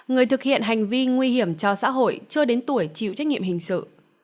người thực hiện hành vi nguy hiểm cho xã hội chưa đến tuổi chịu trách nhiệm hình sự